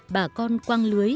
bà con quăng lưới